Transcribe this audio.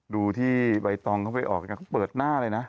ดูที่ใบตองเขาไปออกเปิดหน้าเลยนะ